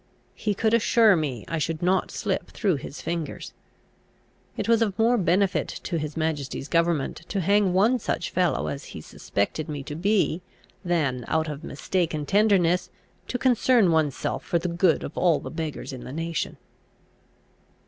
He could assure me I should not slip through his fingers. It was of more benefit to his majesty's government to hang one such fellow as he suspected me to be, than, out of mistaken tenderness, to concern one's self for the good of all the beggars in the nation.